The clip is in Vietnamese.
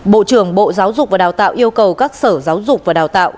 bộ trưởng bộ giáo dục và đào tạo yêu cầu các sở giáo dục và đào tạo